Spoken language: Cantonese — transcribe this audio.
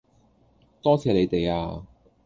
多謝你哋呀